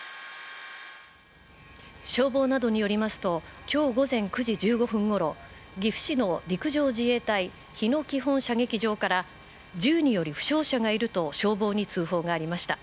消防などによりますと今日午前９時１５分ごろ、岐阜市の陸上自衛隊日野基本射撃場から銃により負傷者がいると消防に通報がありました。